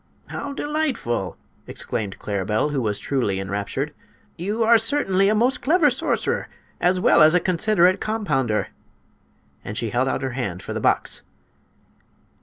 "How delightful!" exclaimed Claribel, who was truly enraptured. "You are certainly a most clever sorcerer as well as a considerate compounder," and she held out her hand for the box.